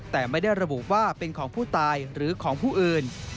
แต่ไม่ได้ระบุว่าเป็นของผู้ตายหรือของผู้อื่น